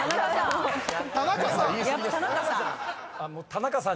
田中さん。